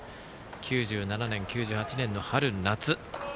９７年、９８年の春夏。